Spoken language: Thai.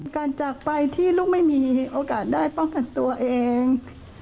จากไปที่ลูกไม่มีโอกาสได้ป้องกันตัวเอง